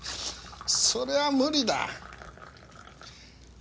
そりゃ無理だ。